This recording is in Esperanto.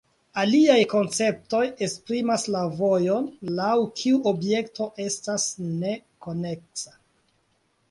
Aliaj konceptoj esprimas la vojon laŭ kiu objekto estas "ne" koneksa.